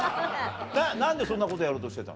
何でそんなことやろうとしてたの？